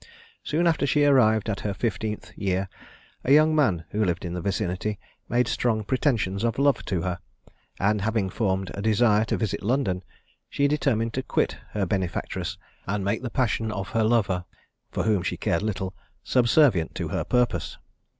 Soon after she arrived at her fifteenth year, a young man, who lived in the vicinity, made strong pretensions of love to her, and having formed a desire to visit London, she determined to quit her benefactress, and make the passion of her lover, for whom she cared little, subservient to her purpose.